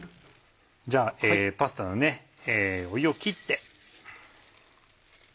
じゃあパスタの湯を切って。